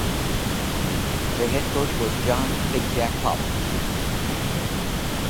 Their head coach was John "Big Jack" Pollock.